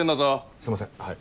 すいませんはい。